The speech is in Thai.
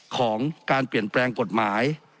ของการเปลี่ยนแปลงกฎหมาย